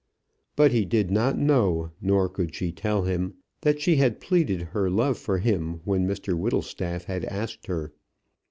But he did not know, nor could she tell him, that she had pleaded her love for him when Mr Whittlestaff had asked her.